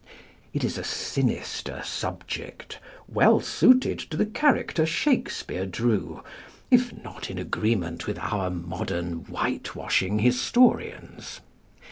It is a sinister subject, well suited to the character Shakespeare drew, if not in agreement with our modern whitewashing historians.